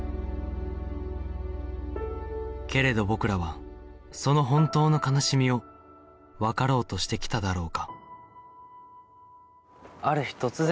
けれど僕らはその本当の悲しみをわかろうとしてきただろうか？